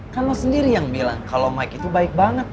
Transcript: kan lo sendiri yang bilang kalo mike itu baik banget